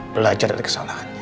belajar dari kesalahannya